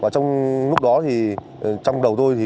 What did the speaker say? trong lúc đó trong đầu tôi